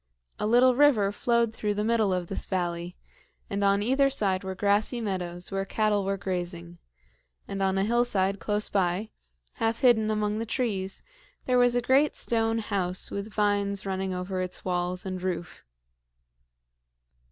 A little river flowed through the middle of this valley, and on either side were grassy meadows where cattle were grazing; and on a hillside close by, half hidden among the trees, there was a great stone house with vines running over its walls and roof.